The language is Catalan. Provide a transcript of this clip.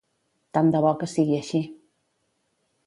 Tant de bo que sigui així.